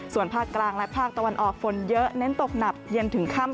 ส่วนภาคกลางและภาคตะวันออกฝนเยอะเน้นตกหนักเย็นถึงค่ำ